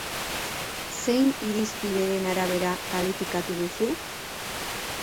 Zein irizpideren arabera kalifikatu duzu?